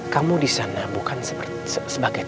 kamu disana bukan sebagai